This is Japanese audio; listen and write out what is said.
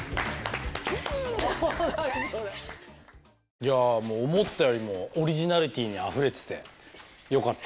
いや思ったよりもオリジナリティーにあふれててよかった。